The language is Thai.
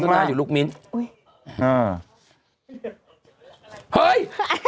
เอาหน่อย